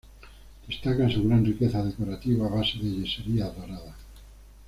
Destaca su gran riqueza decorativa a base de yeserías doradas.